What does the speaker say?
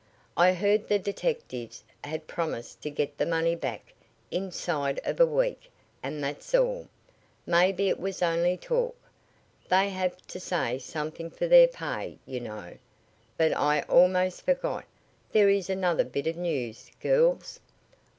"I heard the detectives had promised to get the money back inside of a week, and that's all. Maybe it was only talk. They have to say something for their pay, you know. But I almost forgot. There is another bit of news, girls."